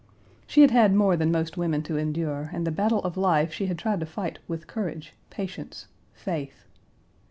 She had had more than most women to endure, and the battle of life she had tried to fight with courage, patience, faith.